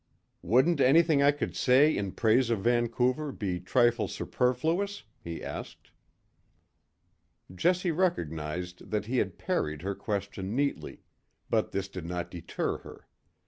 "Wouldn't anything I could say in praise of Vancouver be trifle superfluous?" he asked. Jessie recognised that he had parried her question neatly, but this did not deter her.